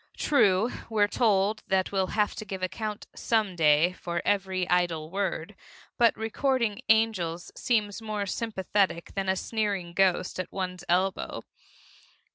True, we're told that we'll have to give account Some Day for every idle word, but recording angels seem more sympathetic than a sneering ghost at one's elbow.